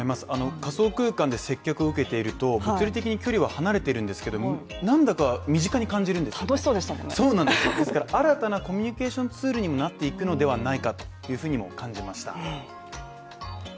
仮想空間で接客を受けていると距離は離れてるんですけども、何だかは身近に感じるんで楽しそうでしたねそうなんですから、新たなコミュニケーションツールになっていくのではないかというふうにも感じました。